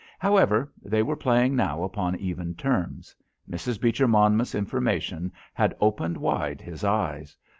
However, they were playing now upon even terms. Mrs. Beecher Monmouth's information had opened wide his eyes.